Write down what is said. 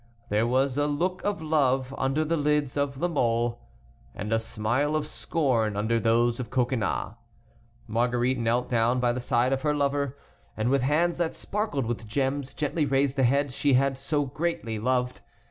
There was a look of love under the lids of La Mole, and a smile of scorn under those of Coconnas. Marguerite knelt down by the side of her lover, and with hands that sparkled with gems gently raised the head she had so greatly loved.